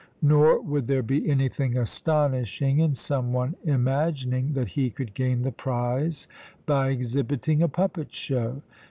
Nor would there be anything astonishing in some one imagining that he could gain the prize by exhibiting a puppet show.